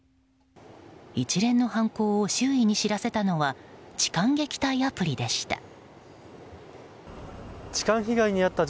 一連の犯行を周囲に知らせたのは痴漢撃退アプリでした。